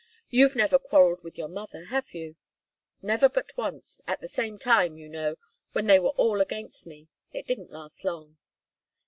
You've never quarrelled with your mother, have you?" "Never but once at the same time, you know, when they were all against me. It didn't last long."